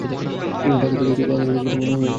তাকে দেখে ভাঙ্গাড়ি বিক্রেতা মনে হয়।